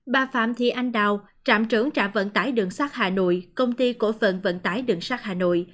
bà phạm thi anh đào trạm trưởng trạm vận tải đường sát hà nội công ty cổ phần vận tải đường sát hà nội